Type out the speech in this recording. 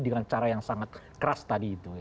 dengan cara yang sangat keras tadi itu